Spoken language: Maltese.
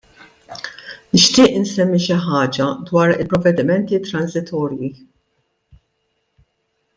Nixtieq insemmi xi ħaġa dwar il-provvedimenti transitorji.